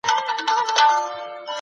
د پنبي پاکولو کارخاني هم فعالي وي.